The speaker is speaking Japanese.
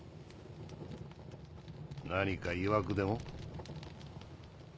何かいわくでも？